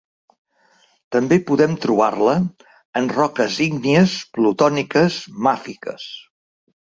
També podem trobar-la en roques ígnies plutòniques màfiques.